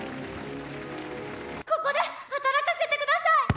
ここで働かせてください！